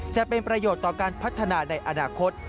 จะเป็นประโยชน์ต่อการพัฒนาในอนาคต